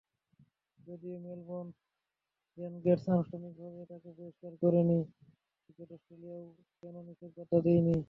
যদিও Melbourne Renegades আনুষ্ঠানিকভাবে তাঁকে বহিষ্কার করেনি, ক্রিকেট অস্ট্রেলিয়াও কোনো নিষেধাজ্ঞা দেয়নি।